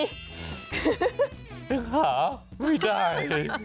ขาไม่ได้